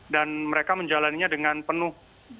dan mereka menjalannya dengan penuh